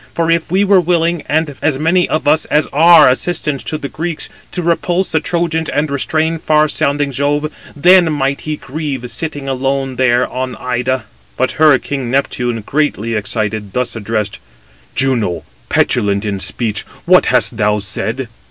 For if we were willing, as many of us as are assistants to the Greeks, to repulse the Trojans and restrain far sounding Jove, then might he grieve sitting alone there on Ida." But her king Neptune, greatly excited, thus addressed: "Juno, petulant 270 in speech, what hast thou said?